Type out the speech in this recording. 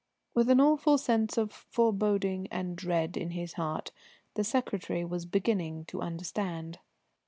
With an awful sense of foreboding and dread in his heart, the secretary was beginning to understand.